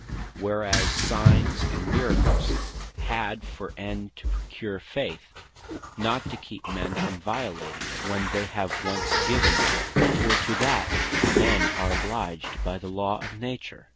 Whereas Signs, and Miracles had for End to procure Faith, not to keep men from violating it, when they have once given it; for to that men are obliged by the law of Nature.